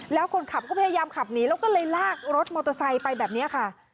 แล้วคนขับก็พยายามขับหนีแล้วก็เลยลากรถมอเตอร์ไซค์ไปแบบนี้ค่ะ